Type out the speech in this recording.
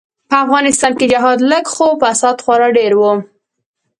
به افغانستان کی جهاد لږ خو فساد خورا ډیر وو.